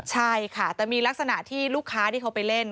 ใช่ค่ะแต่มีลักษณะที่ลูกค้าที่เขาไปเล่น